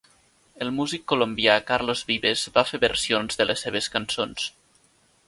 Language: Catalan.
El músic colombià Carlos Vives va fer versions de les seves cançons.